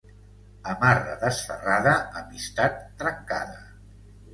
Amarra desferrada, amistat trencada.